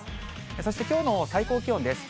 そして、きょうの最高気温です。